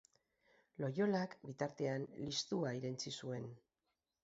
Loyolak, bitartean, listua irentsi zuen.